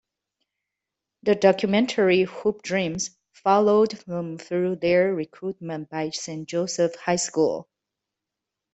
The documentary "Hoop Dreams" followed them through their recruitment by Saint Joseph High School.